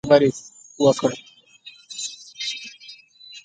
ده په ښکلي او جدي انداز خبره وکړه.